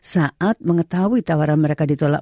saat mengetahui tawaran mereka ditolak